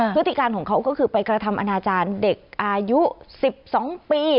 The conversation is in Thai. พฤติการของเขาก็คือไปกระทำอนาจารย์เด็กอายุ๑๒ปี